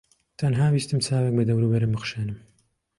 تەنها ویستم چاوێک بە دەوروبەرم بخشێنم.